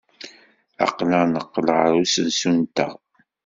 Aql-aɣ neqqel ɣer usensu-nteɣ.